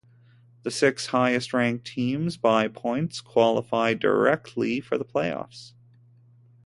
The six highest-ranked teams by points qualify directly for the playoffs.